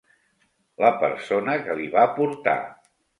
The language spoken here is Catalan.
La persona que li va portar.